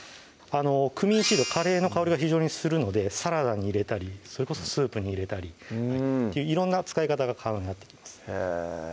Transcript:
クミンシードカレーの香りが非常にするのでサラダに入れたりそれこそスープに入れたり色んな使い方が可能になってきます